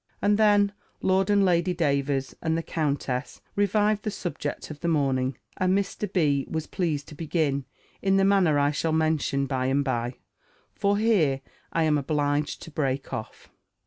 And then Lord and Lady Davers, and the countess, revived the subject of the morning; and Mr. B. was pleased to begin in the manner I shall mention by and bye. For here I am obliged to break off.